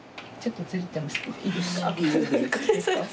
いいですか？